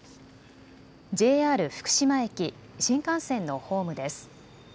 ＪＲ福島駅、新幹線のホームです。